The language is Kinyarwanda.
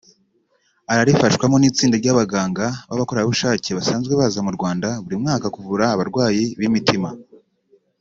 Ararifashwamo n’itsinda ry’abaganga b’abakorerabushake basanzwe baza mu Rwanda buri mwaka kuvura abarwayi b’imitima